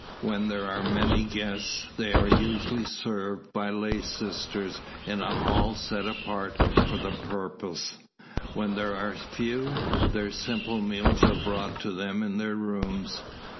When there are many guests they are usually served by lay sisters in a hall set apart for the purpose; when there are few, their simple meals are brought to them in their rooms.